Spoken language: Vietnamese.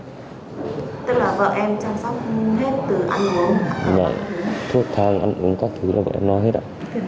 tức là vợ em chăm sóc hết từ ăn uống ăn uống thuốc thang ăn uống các thứ là vợ em nói hết ạ